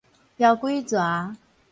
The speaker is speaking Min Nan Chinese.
枵鬼蛇